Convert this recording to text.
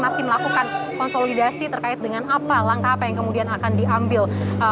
masih melakukan konsolidasi terkait dengan apa langkah apa yang kemudian akan diambil